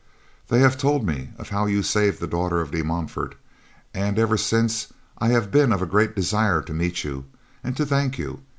"They have told me of how you saved the daughter of De Montfort, and, ever since, I have been of a great desire to meet you, and to thank you.